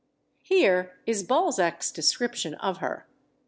Here is Balzac's description of her.